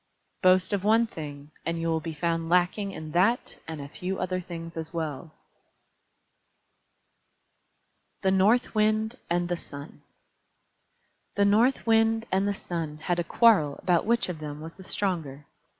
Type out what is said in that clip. Boast of one thing and you will be found lacking in that and a few other things as well. THE NORTH WIND AND THE SUN The North Wind and the Sun had a quarrel about which of them was the stronger.